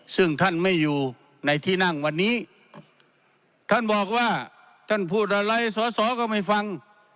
ซึ่งท่านไม่อยู่ในที่นั่งวันนี้ท่านบอกว่าท่านพูดอะไรสอสอก็ไม่ฟัง